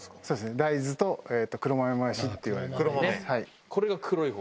大豆と黒豆もやしっていわれるもの。